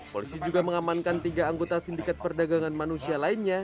polisi juga mengamankan tiga anggota sindikat perdagangan manusia lainnya